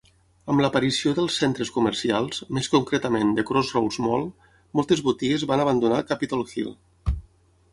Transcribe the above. Amb l'aparició dels centres comercials, més concretament de Crossroads Mall, moltes botigues van abandonar Capitol Hill.